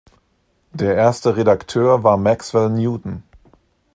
Der erste Redakteur war Maxwell Newton.